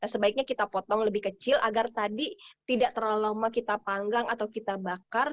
sebaiknya kita potong lebih kecil agar tadi tidak terlalu lama kita panggang atau kita bakar